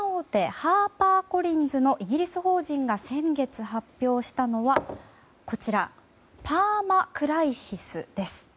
ハーパーコリンズのイギリス法人が先月、発表したのはパーマクライシスです。